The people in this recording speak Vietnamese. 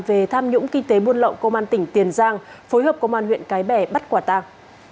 về tham nhũng kinh tế buôn lậu công an tỉnh tiền giang phối hợp công an huyện cái bè bắt quả tàng